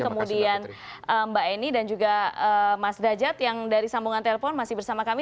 kemudian mbak eni dan juga mas dajat yang dari sambungan telepon masih bersama kami